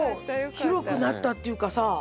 広くなったっていうかさ。